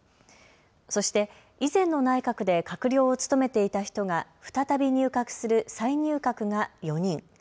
そして以前の内閣で閣僚を務めていた人が再び入閣する再入閣が４人。